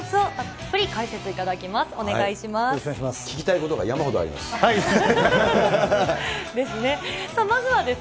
聞きたいことが山ほどあります。